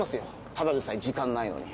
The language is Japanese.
ただでさえ時間ないのに。